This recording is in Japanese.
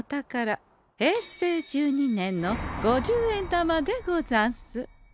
平成１２年の五十円玉でござんす。